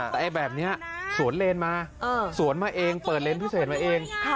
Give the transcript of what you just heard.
แต่แบบนี้สวนเลนมาสวนมาเองเปิดเลนพิเศษมาเอง